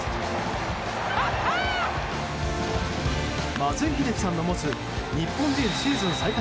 松井秀喜さんの持つ日本人シーズン最多